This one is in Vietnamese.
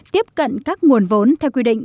tiếp cận các nguồn vốn theo quy định